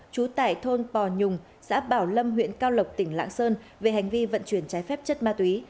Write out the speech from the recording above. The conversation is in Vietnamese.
trú tại thôn pò nhùng xã bảo lâm huyện cao lộc tỉnh lạng sơn về hành vi vận chuyển trái phép chất ma túy